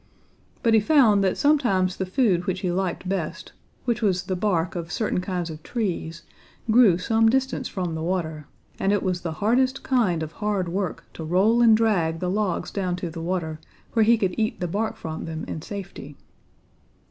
But he found that sometimes the food which he liked best, which was the bark of certain kinds of trees, grew some distance from the water, and it was the hardest kind of hard work to roll and drag the logs down to the water, where he could eat the bark from them in safety.